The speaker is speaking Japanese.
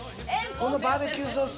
このバーベキューソース